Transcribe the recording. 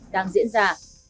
đang diễn ra